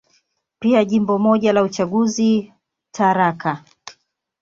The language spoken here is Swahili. Pia Jimbo moja la uchaguzi, Tharaka.